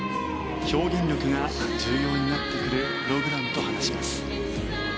表現力が重要になってくるプログラムと話します。